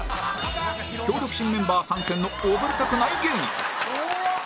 強力新メンバー参戦の踊りたくない芸人